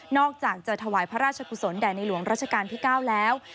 อกจากจะถวายพระราชกุศลแด่ในหลวงราชการที่๙แล้ว